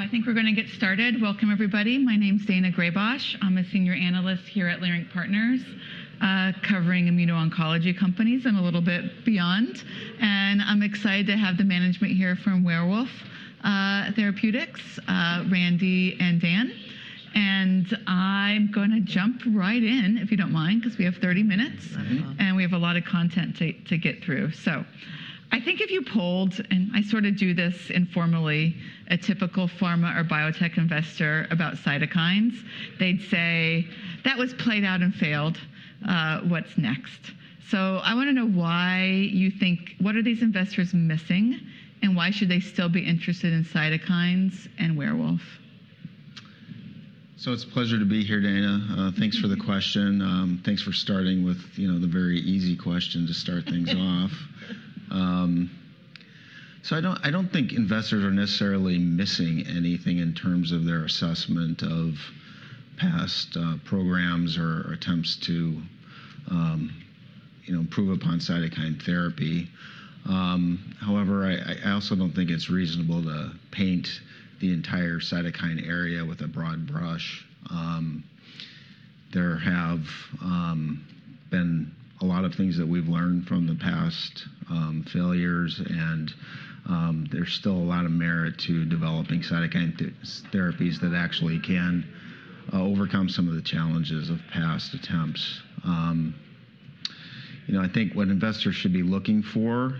I think we're going to get started. Welcome, everybody. My name's Daina Graybosch. I'm a senior analyst here at Leerink Partners, covering immuno-oncology companies and a little bit beyond. I'm excited to have the management here from Werewolf Therapeutics, Randi and Dan. I'm going to jump right in, if you don't mind, because we have 30 minutes and we have a lot of content to get through. I think if you polled, and I sort of do this informally, a typical pharma or biotech investor about cytokines, they'd say, "That was played out and failed. What's next?" I want to know why you think, what are these investors missing and why should they still be interested in cytokines and Werewolf? It's a pleasure to be here, Daina. Thanks for the question. Thanks for starting with the very easy question to start things off. I don't think investors are necessarily missing anything in terms of their assessment of past programs or attempts to improve upon cytokine therapy. However, I also don't think it's reasonable to paint the entire cytokine area with a broad brush. There have been a lot of things that we've learned from the past failures, and there's still a lot of merit to developing cytokine therapies that actually can overcome some of the challenges of past attempts. I think what investors should be looking for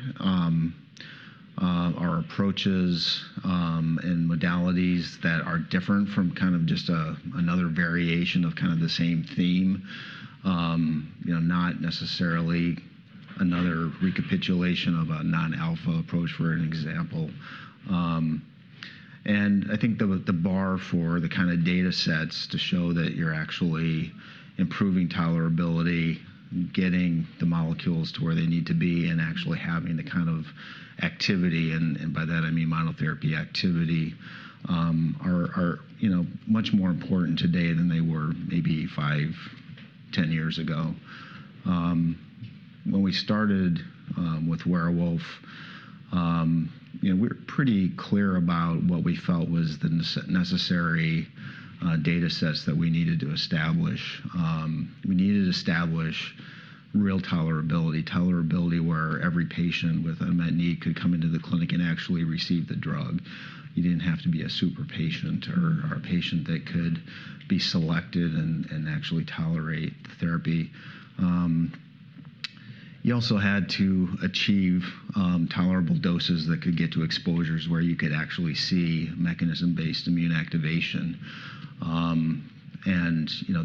are approaches and modalities that are different from kind of just another variation of kind of the same theme, not necessarily another recapitulation of a non-alpha approach, for an example. I think the bar for the kind of data sets to show that you're actually improving tolerability, getting the molecules to where they need to be, and actually having the kind of activity, and by that, I mean monotherapy activity, are much more important today than they were maybe five, ten years ago. When we started with Werewolf, we were pretty clear about what we felt was the necessary data sets that we needed to establish. We needed to establish real tolerability, tolerability where every patient with an unmet need could come into the clinic and actually receive the drug. You didn't have to be a super patient or a patient that could be selected and actually tolerate therapy. You also had to achieve tolerable doses that could get to exposures where you could actually see mechanism-based immune activation.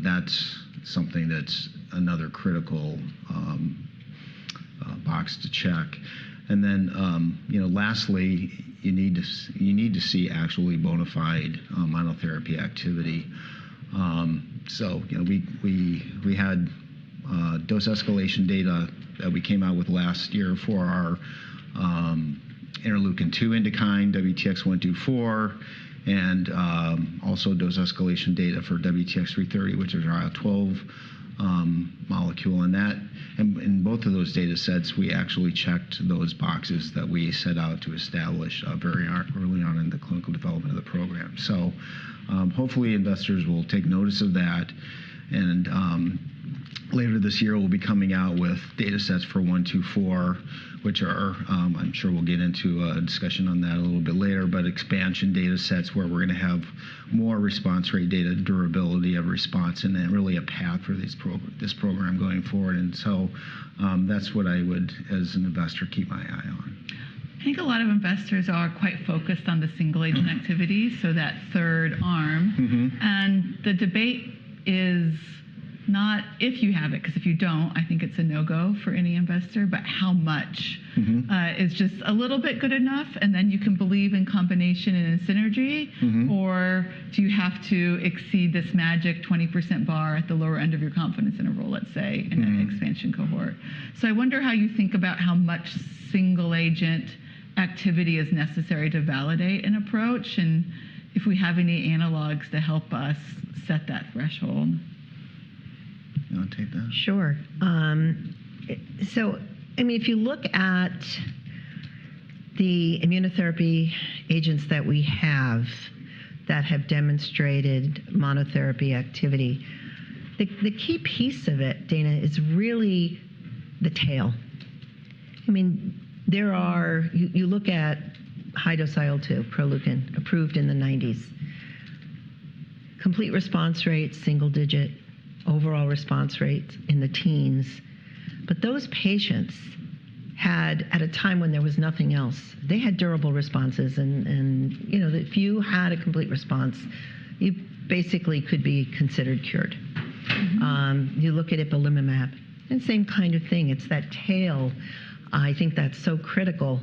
That's something that's another critical box to check. Lastly, you need to see actually bona fide monotherapy activity. We had dose escalation data that we came out with last year for our interleukin-2 INDUKINE, WTX-124, and also dose escalation data for WTX-330, which is our IL-12 molecule. In both of those data sets, we actually checked those boxes that we set out to establish very early on in the clinical development of the program. Hopefully, investors will take notice of that. Later this year, we'll be coming out with data sets for WTX-124, which I'm sure we'll get into a discussion on that a little bit later, but expansion data sets where we're going to have more response rate data, durability of response, and then really a path for this program going forward. That is what I would, as an investor, keep my eye on. I think a lot of investors are quite focused on the single-agent activity, so that third arm. The debate is not if you have it, because if you do not, I think it is a no-go for any investor, but how much is just a little bit good enough, and then you can believe in combination and synergy? Do you have to exceed this magic 20% bar at the lower end of your confidence interval, let's say, in an expansion cohort? I wonder how you think about how much single-agent activity is necessary to validate an approach and if we have any analogs to help us set that threshold. You want to take that? Sure. I mean, if you look at the immunotherapy agents that we have that have demonstrated monotherapy activity, the key piece of it, Daina, is really the tail. I mean, you look at high-dose IL-2, Proleukin, approved in the 1990s. Complete response rates, single-digit overall response rates in the teens. Those patients had, at a time when there was nothing else, they had durable responses. If you had a complete response, you basically could be considered cured. You look at ipilimumab, and same kind of thing. It's that tail. I think that's so critical.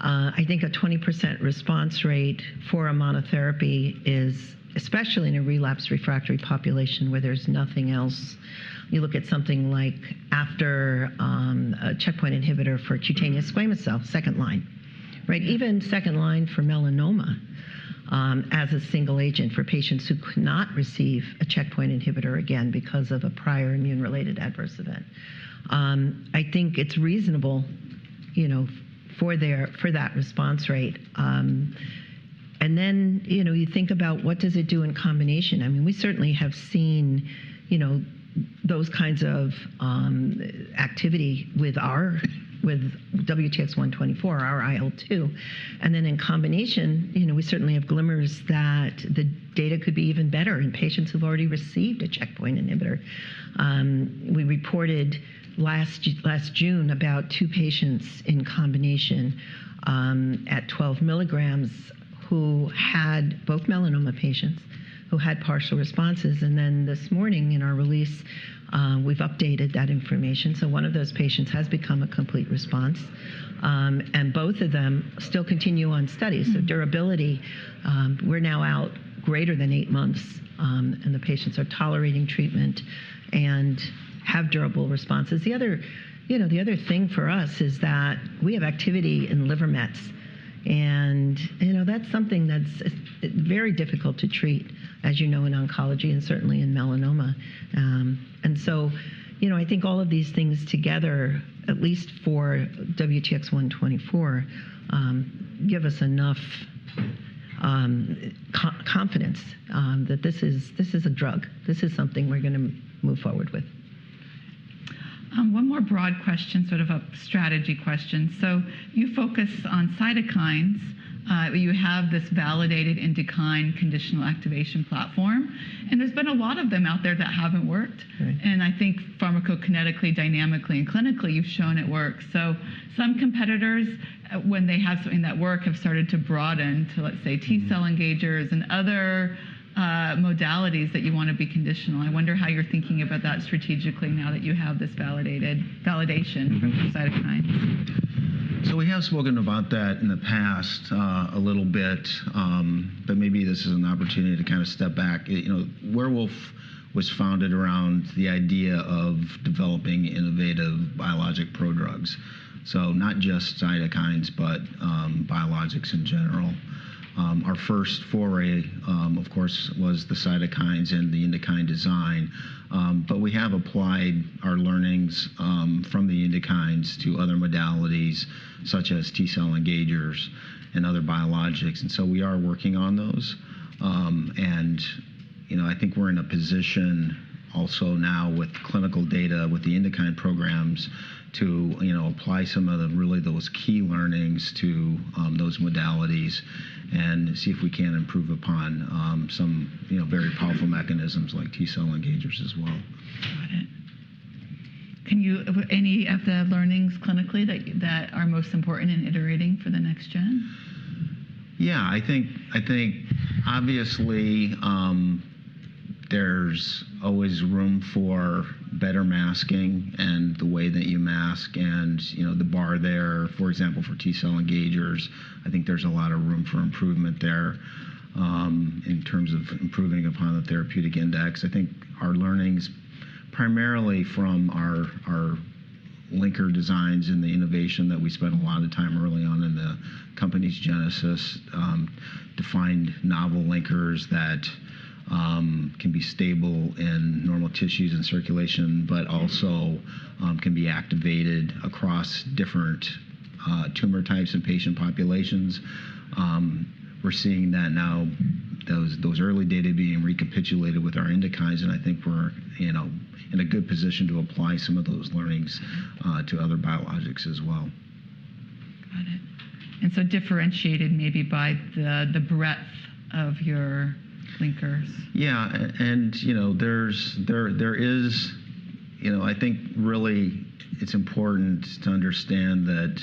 I think a 20% response rate for a monotherapy is, especially in a relapse refractory population where there's nothing else. You look at something like after a checkpoint inhibitor for cutaneous squamous cell, second line. Even second line for melanoma as a single agent for patients who could not receive a checkpoint inhibitor again because of a prior immune-related adverse event. I think it's reasonable for that response rate. You think about what does it do in combination. I mean, we certainly have seen those kinds of activity with WTX-124, our IL-2. In combination, we certainly have glimmers that the data could be even better in patients who've already received a checkpoint inhibitor. We reported last June about two patients in combination at 12 mg who had both melanoma patients who had partial responses. This morning in our release, we've updated that information. One of those patients has become a complete response. Both of them still continue on studies. Durability, we're now out greater than eight months, and the patients are tolerating treatment and have durable responses. The other thing for us is that we have activity in liver mets. That's something that's very difficult to treat, as you know, in oncology and certainly in melanoma. I think all of these things together, at least for WTX-124, give us enough confidence that this is a drug. This is something we're going to move forward with. One more broad question, sort of a strategy question. You focus on cytokines. You have this validated INDUKINE conditional activation platform. There have been a lot of them out there that have not worked. I think pharmacokinetically, dynamically, and clinically, you have shown it works. Some competitors, when they have something that works, have started to broaden to, let's say, T-cell engagers and other modalities that you want to be conditional. I wonder how you are thinking about that strategically now that you have this validation for cytokines. We have spoken about that in the past a little bit, but maybe this is an opportunity to kind of step back. Werewolf Therapeutics was founded around the idea of developing innovative biologic prodrugs. Not just cytokines, but biologics in general. Our first foray, of course, was the cytokines and the INDUKINE design. We have applied our learnings from the INDUKINEs to other modalities, such as T-cell engagers and other biologics. We are working on those. I think we are in a position also now with clinical data with the INDUKINE programs to apply some of really those key learnings to those modalities and see if we can improve upon some very powerful mechanisms like T-cell engagers as well. Got it. Any of the learnings clinically that are most important in iterating for the next gen? Yeah, I think obviously there's always room for better masking and the way that you mask and the bar there. For example, for T-cell engagers, I think there's a lot of room for improvement there in terms of improving upon the therapeutic index. I think our learnings primarily from our linker designs and the innovation that we spent a lot of time early on in the company's genesis to find novel linkers that can be stable in normal tissues and circulation, but also can be activated across different tumor types and patient populations. We're seeing that now, those early data being recapitulated with our INDUKINEs, and I think we're in a good position to apply some of those learnings to other biologics as well. Got it. Differentiated maybe by the breadth of your linkers. Yeah. I think really it's important to understand that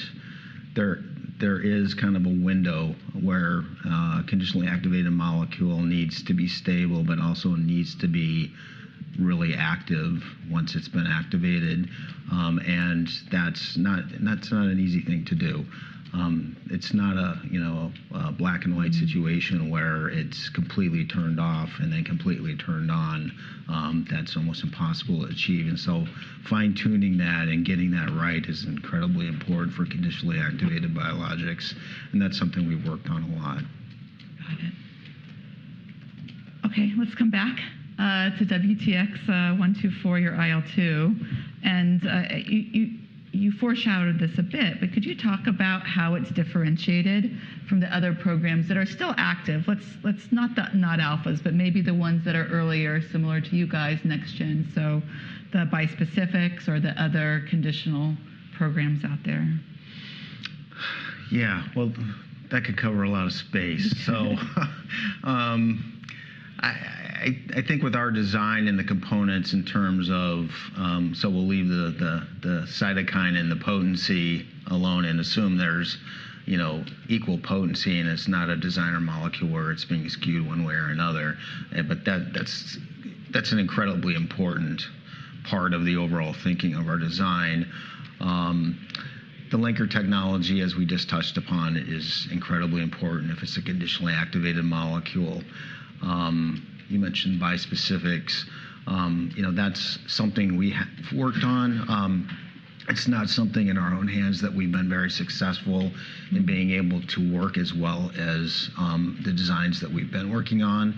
there is kind of a window where a conditionally activated molecule needs to be stable, but also needs to be really active once it's been activated. That's not an easy thing to do. It's not a black-and-white situation where it's completely turned off and then completely turned on. That's almost impossible to achieve. Fine-tuning that and getting that right is incredibly important for conditionally activated biologics. That's something we've worked on a lot. Got it. Okay, let's come back to WTX-124, your IL-2. You foreshadowed this a bit, but could you talk about how it's differentiated from the other programs that are still active? Not alphas, but maybe the ones that are earlier, similar to you guys, next gen, so the bispecifics or the other conditional programs out there. Yeah, that could cover a lot of space. I think with our design and the components in terms of, we'll leave the cytokine and the potency alone and assume there's equal potency and it's not a designer molecule where it's being skewed one way or another. That's an incredibly important part of the overall thinking of our design. The linker technology, as we just touched upon, is incredibly important if it's a conditionally activated molecule. You mentioned bispecifics. That's something we have worked on. It's not something in our own hands that we've been very successful in being able to work as well as the designs that we've been working on.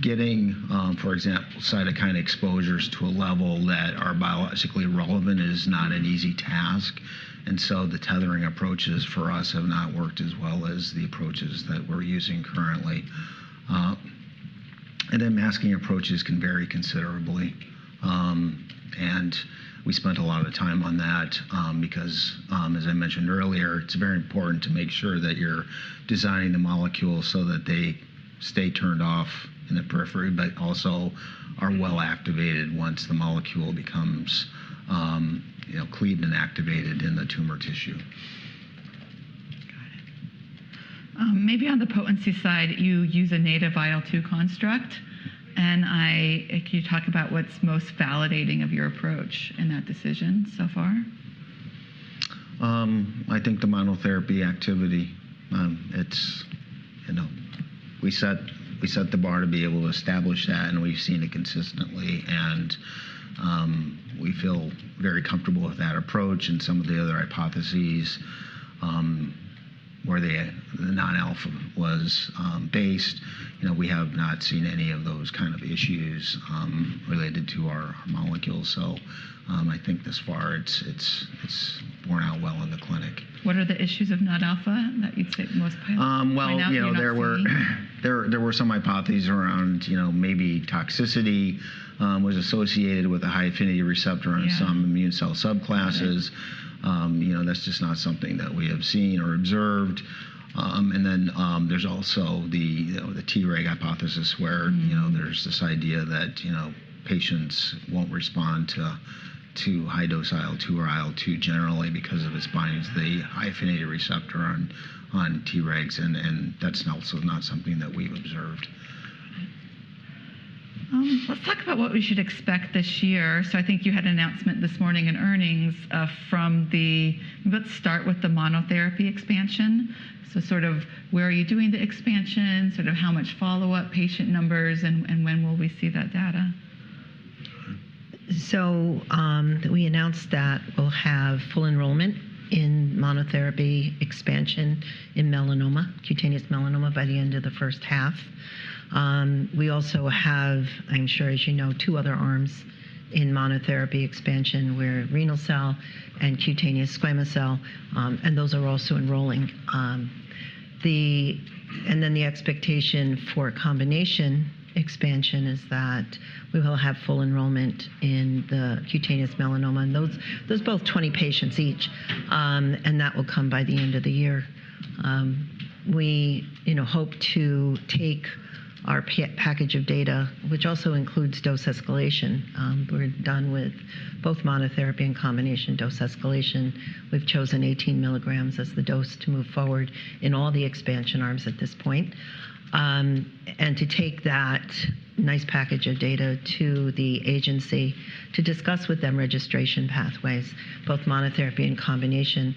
Getting, for example, cytokine exposures to a level that are biologically relevant is not an easy task. The tethering approaches for us have not worked as well as the approaches that we're using currently. Masking approaches can vary considerably. We spent a lot of time on that because, as I mentioned earlier, it's very important to make sure that you're designing the molecules so that they stay turned off in the periphery, but also are well activated once the molecule becomes cleaved and activated in the tumor tissue. Got it. Maybe on the potency side, you use a native IL-2 construct. Can you talk about what's most validating of your approach in that decision so far? I think the monotherapy activity. We set the bar to be able to establish that, and we've seen it consistently. We feel very comfortable with that approach. Some of the other hypotheses where the non-alpha was based, we have not seen any of those kind of issues related to our molecules. I think thus far, it's borne out well in the clinic. What are the issues of non-alpha that you'd say most piloted? There were some hypotheses around maybe toxicity was associated with a high affinity receptor on some immune cell subclasses. That is just not something that we have seen or observed. There is also the Treg hypothesis where there is this idea that patients will not respond to high-dose IL-2 or IL-2 generally because of its binding to the affinity receptor on Tregs. That is also not something that we have observed. Let's talk about what we should expect this year. I think you had an announcement this morning in earnings from the, let's start with the monotherapy expansion. Where are you doing the expansion, how much follow-up, patient numbers, and when will we see that data? We announced that we'll have full enrollment in monotherapy expansion in melanoma, cutaneous melanoma by the end of the first half. We also have, I'm sure, as you know, two other arms in monotherapy expansion where renal cell and cutaneous squamous cell. Those are also enrolling. The expectation for combination expansion is that we will have full enrollment in the cutaneous melanoma. Those are both 20 patients each. That will come by the end of the year. We hope to take our package of data, which also includes dose escalation. We're done with both monotherapy and combination dose escalation. We've chosen 18 mg as the dose to move forward in all the expansion arms at this point. To take that nice package of data to the agency to discuss with them registration pathways, both monotherapy and combination,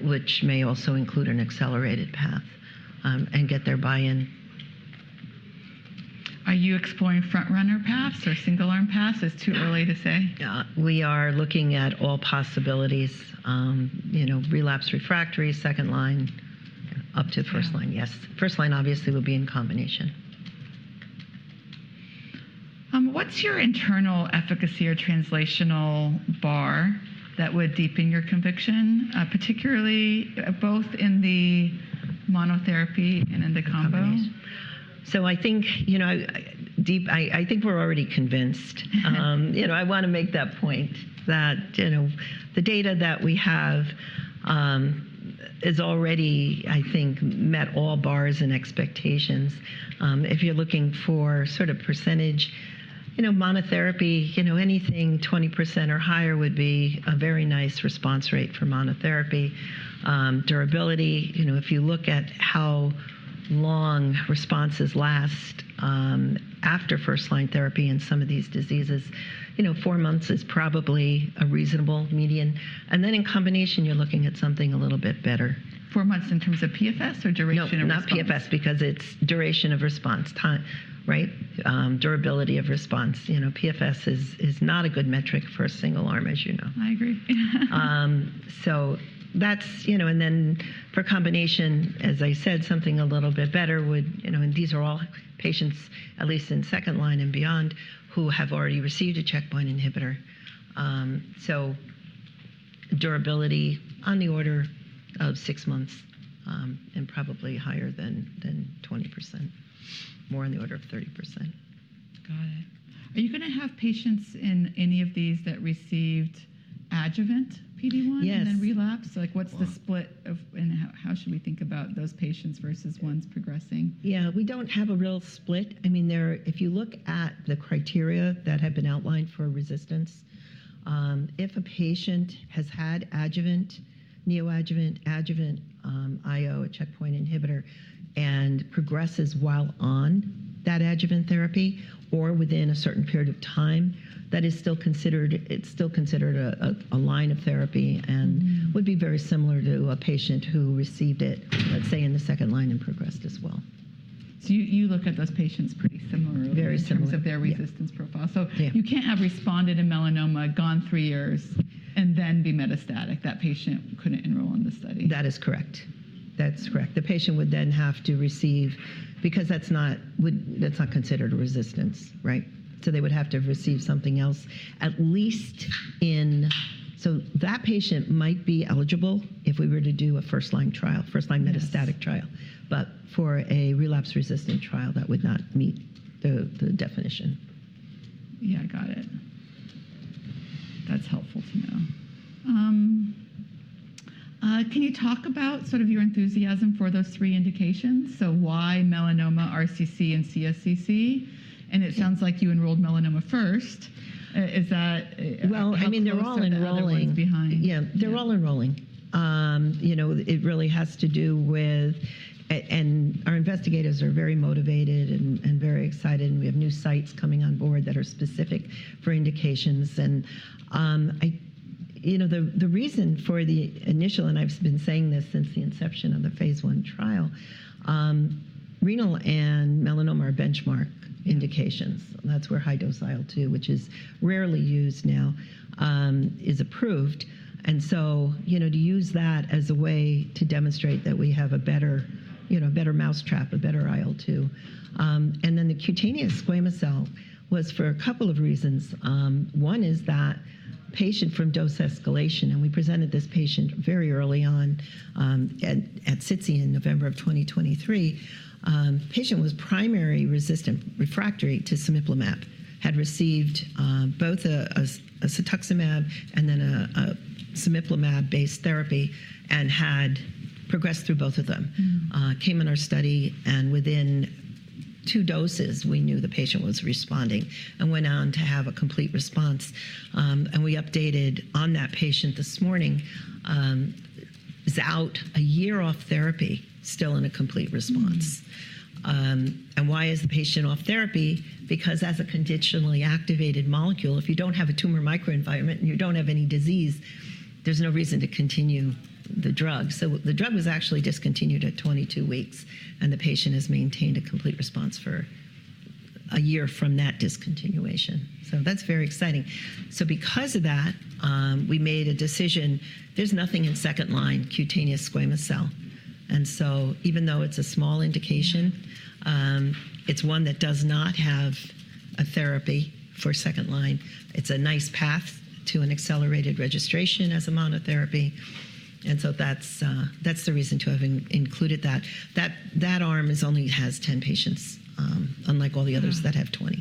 which may also include an accelerated path and get their buy-in. Are you exploring front-runner paths or single-arm paths? Is it too early to say? We are looking at all possibilities: relapse refractory, second line, up to first line. Yes. First line, obviously, will be in combination. What's your internal efficacy or translational bar that would deepen your conviction, particularly both in the monotherapy and in the combo? I think we're already convinced. I want to make that point that the data that we have has already, I think, met all bars and expectations. If you're looking for sort of percentage, monotherapy, anything 20% or higher would be a very nice response rate for monotherapy. Durability, if you look at how long responses last after first-line therapy in some of these diseases, four months is probably a reasonable median. In combination, you're looking at something a little bit better. Four months in terms of PFS or duration of response? No, not PFS because it's duration of response, durability of response. PFS is not a good metric for a single arm, as you know. I agree. That's, and then for combination, as I said, something a little bit better would, and these are all patients, at least in second line and beyond, who have already received a checkpoint inhibitor. Durability on the order of six months and probably higher than 20%, more on the order of 30%. Got it. Are you going to have patients in any of these that received adjuvant PD-1 and then relapsed? Yes. What's the split and how should we think about those patients versus ones progressing? Yeah, we don't have a real split. I mean, if you look at the criteria that have been outlined for resistance, if a patient has had adjuvant, neoadjuvant, adjuvant IO, a checkpoint inhibitor, and progresses while on that adjuvant therapy or within a certain period of time, that is still considered, it's still considered a line of therapy and would be very similar to a patient who received it, let's say, in the second line and progressed as well. You look at those patients pretty similarly in terms of their resistance profile. You can't have responded to melanoma, gone three years, and then be metastatic. That patient couldn't enroll in the study. That is correct. That's correct. The patient would then have to receive, because that's not considered a resistance, right? They would have to receive something else at least in, so that patient might be eligible if we were to do a first-line trial, first-line metastatic trial. For a relapse resistant trial, that would not meet the definition. Yeah, I got it. That's helpful to know. Can you talk about sort of your enthusiasm for those three indications? Why melanoma, RCC, and CSCC? It sounds like you enrolled melanoma first. Is that? I mean, they're all enrolling. Are you still behind? Yeah, they're all enrolling. It really has to do with, and our investigators are very motivated and very excited. We have new sites coming on board that are specific for indications. The reason for the initial, and I've been saying this since the inception of the phase I trial, renal and melanoma are benchmark indications. That's where high-dose IL-2, which is rarely used now, is approved. To use that as a way to demonstrate that we have a better mouse trap, a better IL-2. The cutaneous squamous cell was for a couple of reasons. One is that patient from dose escalation, and we presented this patient very early on at SITC in November of 2023. The patient was primary resistant refractory to cemiplimab, had received both a cetuximab and then a cemiplimab-based therapy and had progressed through both of them, came in our study, and within two doses, we knew the patient was responding and went on to have a complete response. We updated on that patient this morning, was out a year off therapy, still in a complete response. Why is the patient off therapy? Because as a conditionally activated molecule, if you do not have a tumor microenvironment and you do not have any disease, there is no reason to continue the drug. The drug was actually discontinued at 22 weeks, and the patient has maintained a complete response for a year from that discontinuation. That is very exciting. Because of that, we made a decision, there is nothing in second line, cutaneous squamous cell. Even though it's a small indication, it's one that does not have a therapy for second line. It's a nice path to an accelerated registration as a monotherapy. That's the reason to have included that. That arm only has 10 patients, unlike all the others that have 20.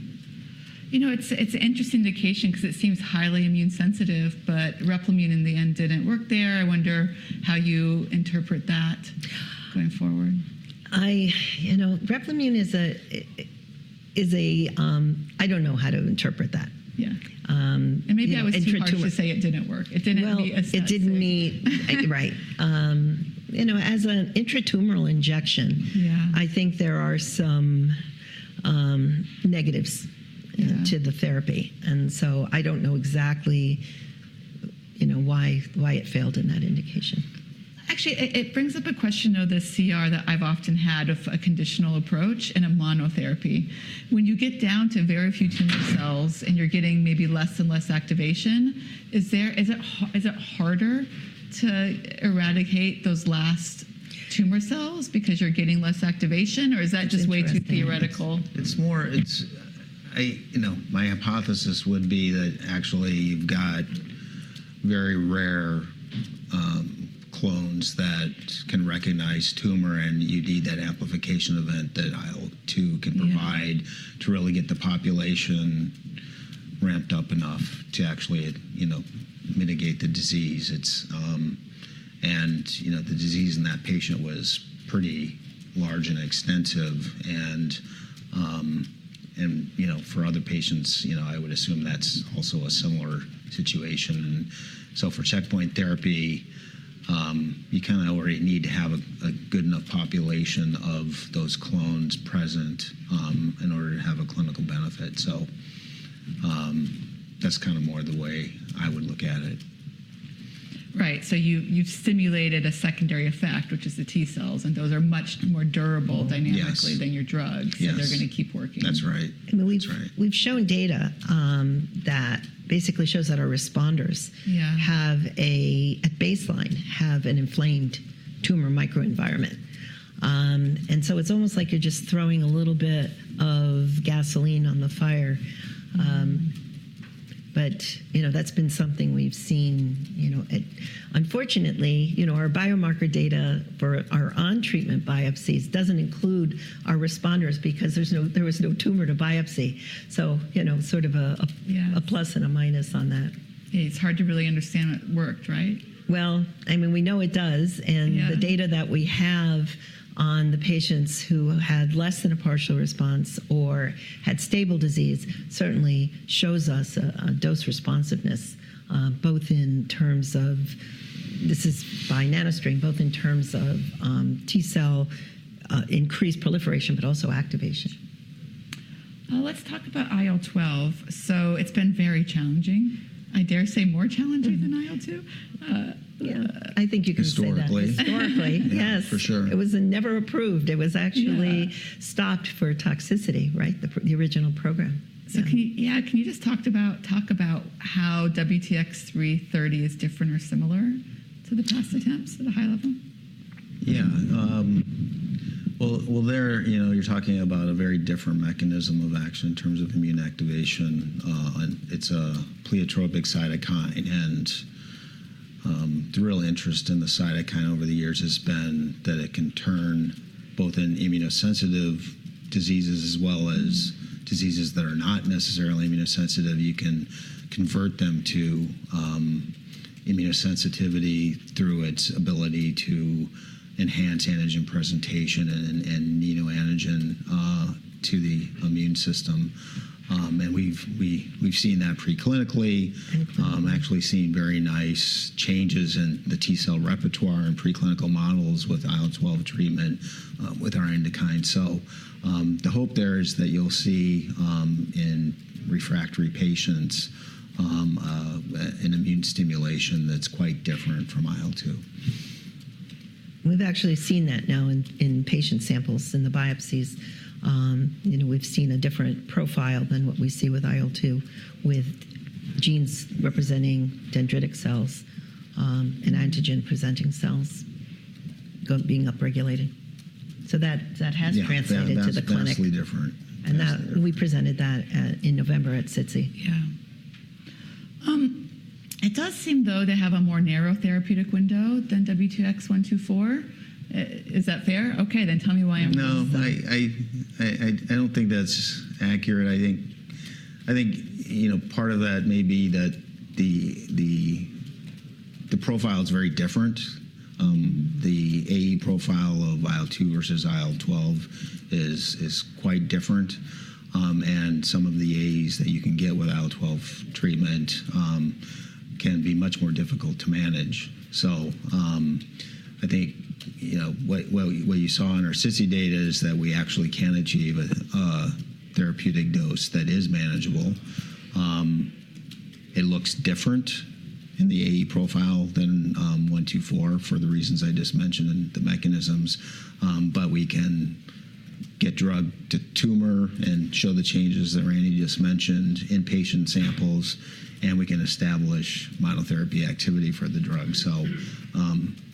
You know, it's an interesting indication because it seems highly immune sensitive, but Replimune in the end didn't work there. I wonder how you interpret that going forward. Replimune is a, I don't know how to interpret that. Yeah. Maybe I was too hard to say it didn't work. It didn't meet a specific. It didn't meet, right. As an intratumoral injection, I think there are some negatives to the therapy. And so I don't know exactly why it failed in that indication. Actually, it brings up a question of the CR that I've often had of a conditional approach in a monotherapy. When you get down to very few tumor cells and you're getting maybe less and less activation, is it harder to eradicate those last tumor cells because you're getting less activation, or is that just way too theoretical? It's more, my hypothesis would be that actually you've got very rare clones that can recognize tumor and you need that amplification event that IL-2 can provide to really get the population ramped up enough to actually mitigate the disease. The disease in that patient was pretty large and extensive. For other patients, I would assume that's also a similar situation. For checkpoint therapy, you kind of already need to have a good enough population of those clones present in order to have a clinical benefit. That's kind of more the way I would look at it. Right. So you've stimulated a secondary effect, which is the T cells, and those are much more durable dynamically than your drugs. They're going to keep working. That's right. We've shown data that basically shows that our responders have a baseline, have an inflamed tumor microenvironment. It's almost like you're just throwing a little bit of gasoline on the fire. That's been something we've seen. Unfortunately, our biomarker data for our on-treatment biopsies doesn't include our responders because there was no tumor to biopsy. Sort of a plus and a minus on that. It's hard to really understand what worked, right? I mean, we know it does. And the data that we have on the patients who had less than a partial response or had stable disease certainly shows us a dose responsiveness, both in terms of this is by NanoString, both in terms of T-cell increased proliferation, but also activation. Let's talk about IL-12. It has been very challenging. I dare say more challenging than IL-2? Yeah, I think you can historically. Historically, yes. It was never approved. It was actually stopped for toxicity, right? The original program. Yeah, can you just talk about how WTX-330 is different or similar to the past attempts at the high level? Yeah. There, you're talking about a very different mechanism of action in terms of immune activation. It's a pleiotropic cytokine. The real interest in the cytokine over the years has been that it can turn both in immunosensitive diseases as well as diseases that are not necessarily immunosensitive. You can convert them to immunosensitivity through its ability to enhance antigen presentation and neoantigen to the immune system. We've seen that preclinically, actually seen very nice changes in the T cell repertoire in preclinical models with IL-12 treatment with our INDUKINE. The hope there is that you'll see in refractory patients an immune stimulation that's quite different from IL-2. We've actually seen that now in patient samples in the biopsies. We've seen a different profile than what we see with IL-2, with genes representing dendritic cells and antigen-presenting cells being upregulated. That has translated to the clinic. Yeah, that's completely different. We presented that in November at SITC. Yeah. It does seem, though, to have a more narrow therapeutic window than WTX-124. Is that fair? Okay, then tell me why I'm wrong. No, I don't think that's accurate. I think part of that may be that the profile is very different. The AE profile of IL-2 versus IL-12 is quite different. Some of the AEs that you can get with IL-12 treatment can be much more difficult to manage. I think what you saw in our SITC data is that we actually can achieve a therapeutic dose that is manageable. It looks different in the AE profile than 124 for the reasons I just mentioned and the mechanisms. We can get drug to tumor and show the changes that Randi just mentioned in patient samples, and we can establish monotherapy activity for the drug.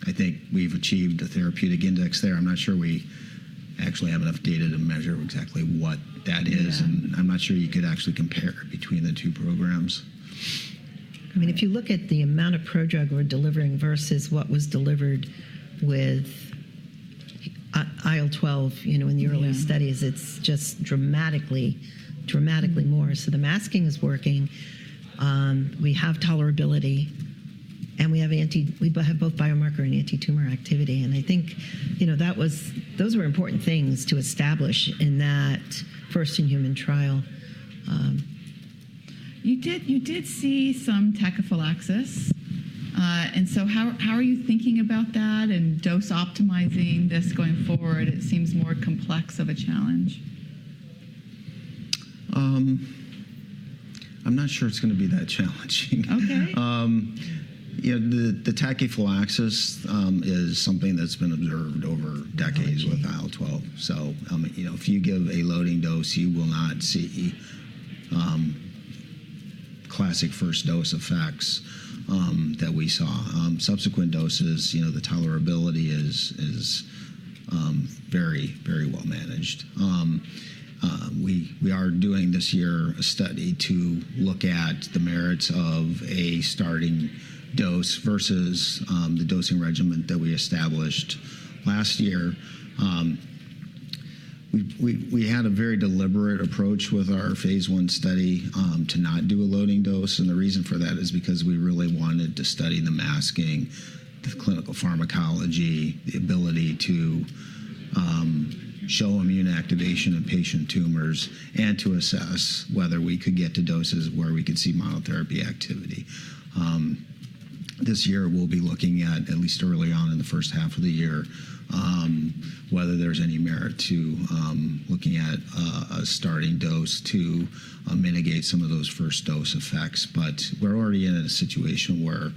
I think we've achieved a therapeutic index there. I'm not sure we actually have enough data to measure exactly what that is. I'm not sure you could actually compare between the two programs. I mean, if you look at the amount of prodrug we're delivering versus what was delivered with IL-12 in the early studies, it's just dramatically, dramatically more. The masking is working. We have tolerability, and we have both biomarker and anti-tumor activity. I think those were important things to establish in that first-in-human trial. You did see some tachyphylaxis. How are you thinking about that and dose optimizing this going forward? It seems more complex of a challenge. I'm not sure it's going to be that challenging. Okay. The tachyphylaxis is something that's been observed over decades with IL-12. If you give a loading dose, you will not see classic first-dose effects that we saw. Subsequent doses, the tolerability is very, very well managed. We are doing this year a study to look at the merits of a starting dose versus the dosing regimen that we established last year. We had a very deliberate approach with our phase I study to not do a loading dose. The reason for that is because we really wanted to study the masking, the clinical pharmacology, the ability to show immune activation in patient tumors, and to assess whether we could get to doses where we could see monotherapy activity. This year, we'll be looking at, at least early on in the first half of the year, whether there's any merit to looking at a starting dose to mitigate some of those first-dose effects. We're already in a situation where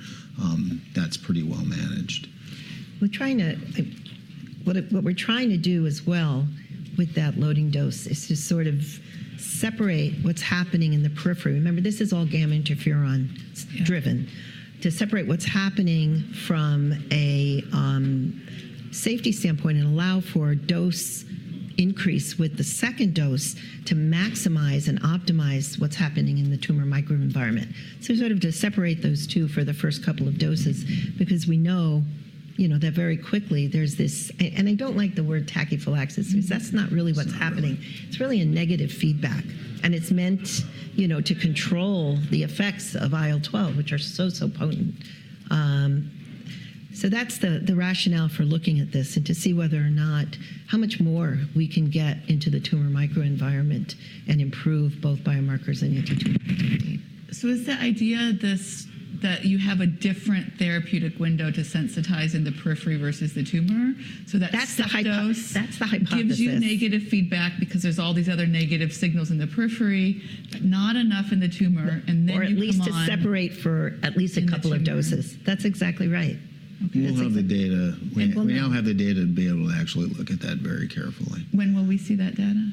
that's pretty well-managed. What we're trying to do as well with that loading dose is to sort of separate what's happening in the periphery. Remember, this is all gamma interferon-driven. To separate what's happening from a safety standpoint and allow for a dose increase with the second dose to maximize and optimize what's happening in the tumor microenvironment. Sort of to separate those two for the first couple of doses because we know that very quickly there's this, and I don't like the word tachyphylaxis, because that's not really what's happening. It's really a negative feedback. And it's meant to control the effects of IL-12, which are so, so potent. That's the rationale for looking at this and to see whether or not how much more we can get into the tumor microenvironment and improve both biomarkers and anti-tumor activity. Is the idea that you have a different therapeutic window to sensitize in the periphery versus the tumor? That is the hypothesis. That's the hypothesis. It gives you negative feedback because there's all these other negative signals in the periphery, not enough in the tumor, and then you come on. Or at least to separate for at least a couple of doses. That's exactly right. We now have the data to be able to actually look at that very carefully. When will we see that data?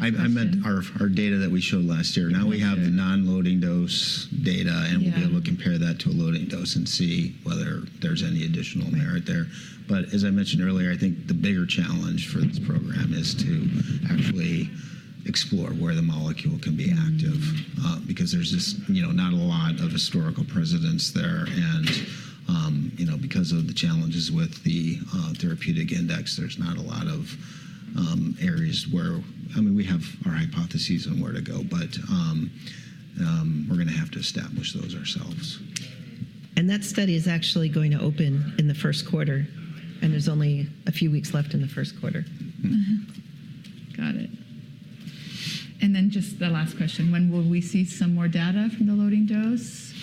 I meant our data that we showed last year. Now we have the non-loading dose data, and we'll be able to compare that to a loading dose and see whether there's any additional merit there. As I mentioned earlier, I think the bigger challenge for this program is to actually explore where the molecule can be active because there's just not a lot of historical precedents there. Because of the challenges with the therapeutic index, there's not a lot of areas where, I mean, we have our hypotheses on where to go, but we're going to have to establish those ourselves. That study is actually going to open in the first quarter, and there's only a few weeks left in the first quarter. Got it. Just the last question. When will we see some more data from the loading dose?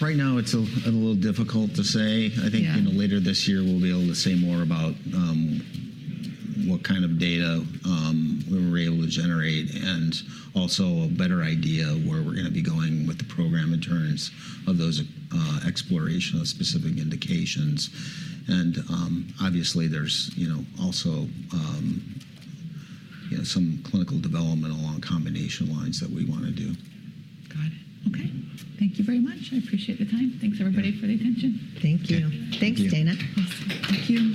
Right now, it's a little difficult to say. I think later this year, we'll be able to say more about what kind of data we were able to generate and also a better idea of where we're going to be going with the program in terms of those exploration of specific indications. Obviously, there's also some clinical development along combination lines that we want to do. Got it. Okay. Thank you very much. I appreciate the time. Thanks, everybody, for the attention. Thank you. Thanks, Daina. Thank you.